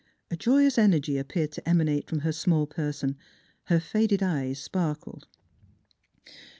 A joyous energy ap peared to emanate from her small person; her faded eyes sparkled.